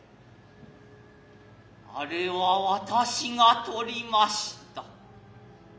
あれは私が取りました。